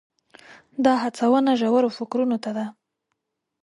دا هڅونه ژورو فکرونو ته ده.